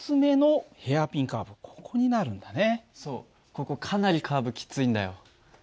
ここかなりカーブきついんだよ。